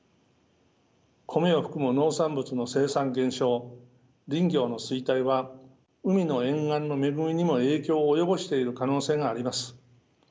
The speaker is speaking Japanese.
米を含む農産物の生産減少林業の衰退は海の沿岸の恵みにも影響を及ぼしている可能性があります。